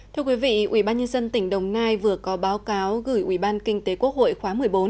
thưa quý vị ubnd tỉnh đồng nai vừa có báo cáo gửi ủy ban kinh tế quốc hội khóa một mươi bốn